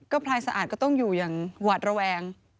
พลายสะอาดก็ต้องอยู่อย่างหวาดระแวง